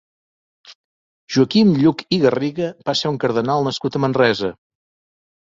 Joaquim Lluch i Garriga va ser un cardenal nascut a Manresa.